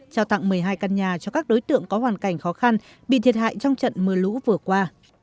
trao tặng một mươi hai căn nhà cho các đối tượng có hoàn cảnh khó khăn bị thiệt hại trong trận mưa lũ vừa qua